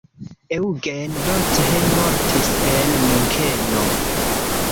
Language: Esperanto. Eugen Roth mortis en Munkeno.